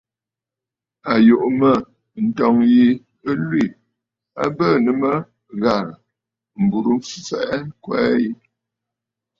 À yùʼù mə̂, ǹtɔ̂ŋ yi ɨ lwî, a bɨɨ̀nə̀ mə ghàrə̀, m̀burə mfɛʼɛ ghɛ̀ɛ̀ ƴi.